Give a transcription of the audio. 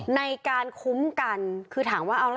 ในการคุ้มกันคือถามว่าเอาแล้ว